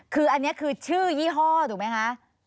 คืออันนี้คือชื่อยี่ห้อถูกไหมคะ